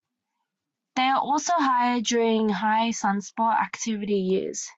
They are also higher during high sunspot activity years.